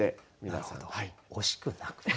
なるほど惜しくなく。